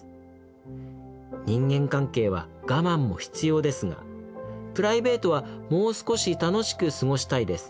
人間関係は我慢も必要ですがプライベートはもう少し楽しく過ごしたいです。